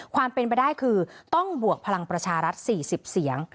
ความเป็นไปได้คือต้องบวกพลังประชารัฐ๔๐เสียง